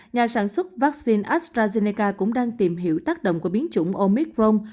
nhà sản xuất vaccine astrazeneca cũng đang tìm hiểu tác động của biến chủng omicron